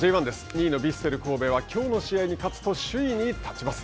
２位のヴィッセル神戸はきょうの試合に勝つと首位に立ちます。